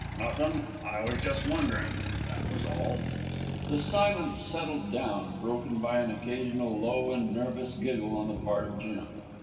"Nothin'. I was just wonderin', that was all." The silence settled down, broken by an occasional low and nervous giggle on the part of Jim.